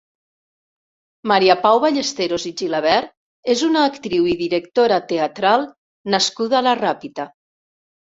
Maria Pau Ballesteros i Gilabert és una «Actriu i directora teatral» nascuda a la Ràpita.